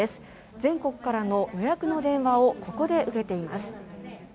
全国からの予約の電話をここで受けています